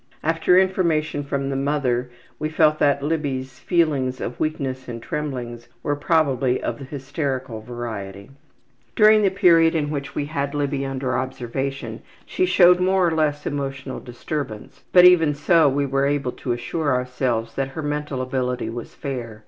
After information from the mother we felt that Libby's feelings of weakness and tremblings were probably of the hysterical variety. During the period in which we had Libby under observation she showed more or less emotional disturbance, but even so we were able to assure ourselves that her mental ability was fair.